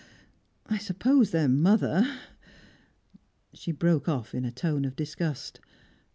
I suppose their mother " She broke off in a tone of disgust.